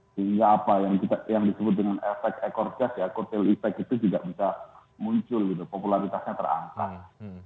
sehingga apa yang disebut dengan efek ekor gas ya kotel efek itu juga bisa muncul gitu popularitasnya terangkat